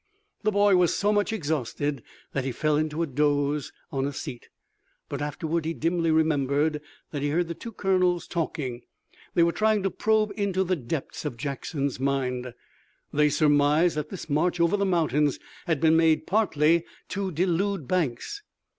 The boy was so much exhausted that he fell into a doze on a seat. But afterward he dimly remembered that he heard the two colonels talking. They were trying to probe into the depths of Jackson's mind. They surmised that this march over the mountains had been made partly to delude Banks.